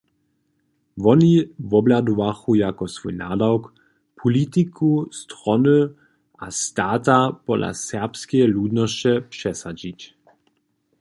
Woni wobhladowachu jako swój nadawk, politiku strony a stata pola serbskeje ludnosće přesadźić.